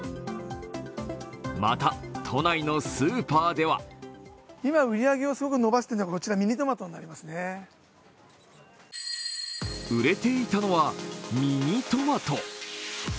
また都内のスーパーでは売れていたのはミニトマト。